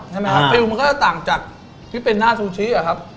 ใช่มั้ยครับตัวกุ้งมันต่างจากที่เป็นหน้าซูชินะครับ